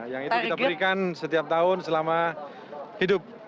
yang itu kita berikan setiap tahun selama hidup